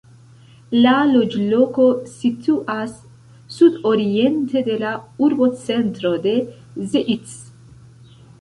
La loĝloko situas sudoriente de la urbocentro de Zeitz.